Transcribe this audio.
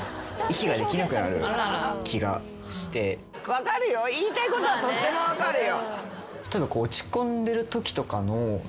分かるよ言いたいことはとっても分かるよ。